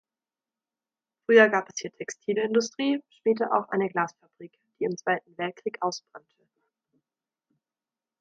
Früher gab es hier Textilindustrie, später auch eine Glasfabrik, die im Zweiten Weltkrieg ausbrannte.